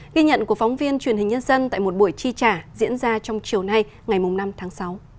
ghi nhận của phóng viên truyền hình nhân dân tại một buổi chi trả diễn ra trong chiều nay ngày năm tháng sáu